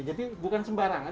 jadi bukan sembarangan